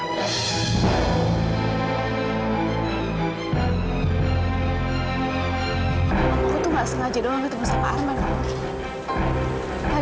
aku tuh gak sengaja doang ketemu sama arman man